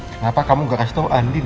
kenapa kamu gak kasih tau andin